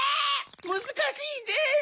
むずかしいです！